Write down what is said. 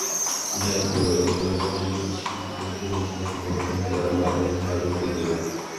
ইহার একমাত্র উত্তর যখন যুক্তিসঙ্গতভাবে প্রশ্নটি উত্থাপিত হইবে, তখনই আমরা ইহার উত্তর দিব।